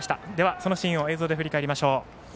そのシーンを映像で振り返りましょう。